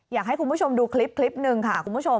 อยากให้คุณผู้ชมดูคลิปหนึ่งค่ะคุณผู้ชม